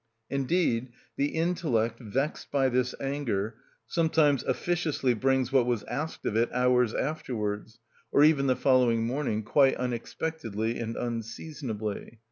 Indeed the intellect, vexed by this anger, sometimes officiously brings what was asked of it hours afterwards, or even the following morning, quite unexpectedly and unseasonably.